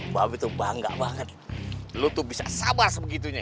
mbak be tuh bangga banget lo tuh bisa sabar sebegitunya